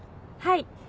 はい。